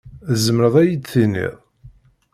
Tzemreḍ ad yi-d-tiniḍ?